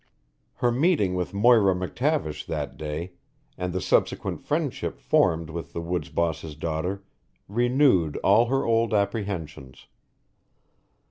Her meeting with Moira McTavish that day, and the subsequent friendship formed with the woods boss's daughter, renewed all her old apprehensions.